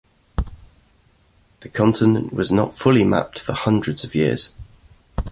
The continent was not fully mapped for hundreds of years.